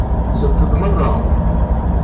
Slet-d meṛṛa!